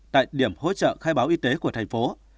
tại điểm hỗ trợ khai báo y tế của thành phố